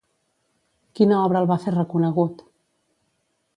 Quina obra el va fer reconegut?